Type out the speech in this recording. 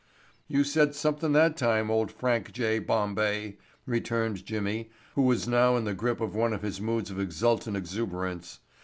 "You said somethin' that time, old Frank J. Bombay," returned Jimmy who was now in the grip of one of his moods of exultant exuberance.